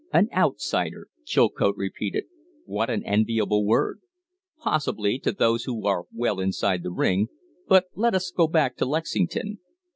"An outsider!" Chilcote repeated. "What an enviable word!" "Possibly, to those who are well inside the ring. But let us go back to Lexington.